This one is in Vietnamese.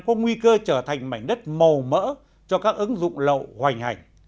có nguy cơ trở thành mảnh đất màu mỡ cho các ứng dụng lậu hoành hành